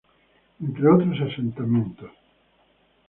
Entre otros asentamientos.